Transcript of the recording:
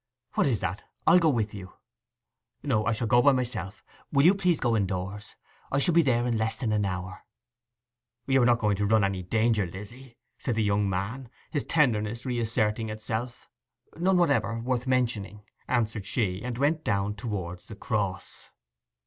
'What is that? I'll go with you.' 'No, I shall go by myself. Will you please go indoors? I shall be there in less than an hour.' 'You are not going to run any danger, Lizzy?' said the young man, his tenderness reasserting itself. 'None whatever—worth mentioning,' answered she, and went down towards the Cross.